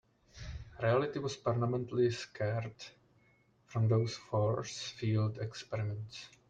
Reality was permanently scarred from those force field experiments.